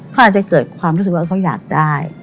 เขาอาจจะเกิดความรู้สึกว่าเขาอยากได้